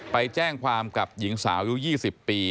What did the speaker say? ไปแจ้งความกับหญิงสาวอายุ๒๐ปี